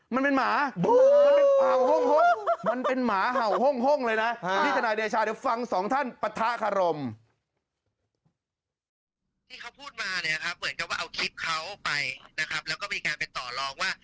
มันเป็นหมามันเป็นห่าวห่งมันเป็นหมาเห่าห่งเลยนะ